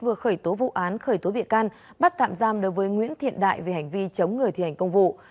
vừa khởi tố vụ án khởi tố bị can bắt tạm giam đối với nguyễn thiện đại về hành vi chống người thi hành công vụ